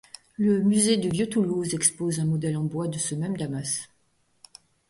Le Musée du Vieux Toulouse expose un modèle en bois de ce même damas.